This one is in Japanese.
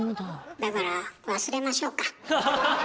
だから忘れましょうか。